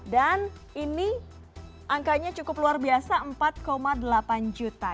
dan ini angkanya cukup luar biasa empat delapan juta